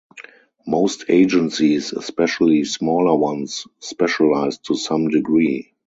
Most agencies, especially smaller ones, specialize to some degree.